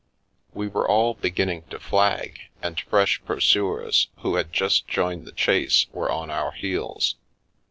We were all beginning to flag, and fresh pursuers, who had just joined the chase, were on our heels.